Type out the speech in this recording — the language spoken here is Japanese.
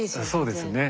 そうですね。